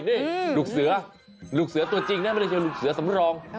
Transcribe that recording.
นี่ลูกเสือลูกเสือตัวจริงนะไม่ใช่ลูกเสือสำรอง